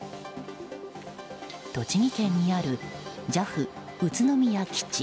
栃木県にあるＪＡＦ宇都宮基地。